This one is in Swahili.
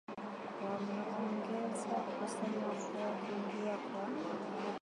Wameongeza kusema kuwa kuingia kwa